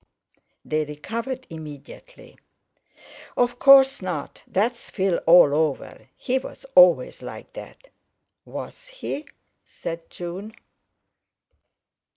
They recovered immediately. "Of course not. That's Phil all over—he was always like that!" "Was he?" said June.